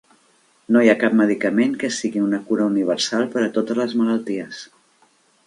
No hi ha cap medicament que sigui una cura universal per a totes les malalties.